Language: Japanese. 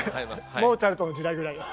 モーツァルトの時代ぐらいに。